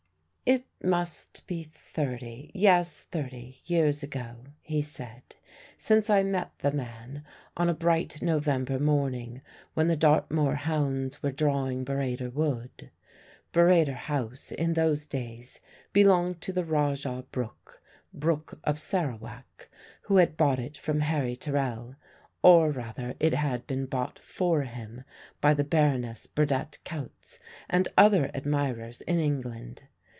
It must be thirty yes, thirty years ago (he said) since I met the man, on a bright November morning, when the Dartmoor hounds were drawing Burrator Wood. Burrator House in those days belonged to the Rajah Brooke Brooke of Sarawak who had bought it from Harry Terrell; or rather it had been bought for him by the Baroness Burdett Coutts and other admirers in England.